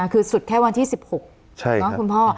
คือสุดแค่วันที่๑๖คุณพ่อ